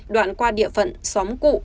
đoạn qua địa phận xóm cụ